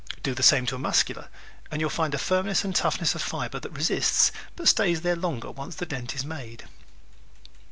Do the same to the Muscular and you will find a firmness and toughness of fiber that resists but stays there longer once the dent is made.